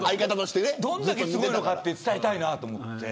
どれだけすごいのか伝えたいなと思って。